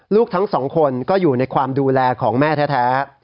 ลูกทั้งสองคนก็อยู่ในความดูแลของแม่แท้